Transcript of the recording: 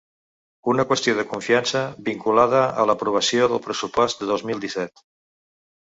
Una qüestió de confiança vinculada a l’aprovació del pressupost de dos mil disset.